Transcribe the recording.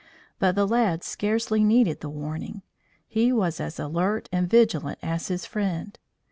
But the lad scarcely needed the warning. He was as alert and vigilant as his friend.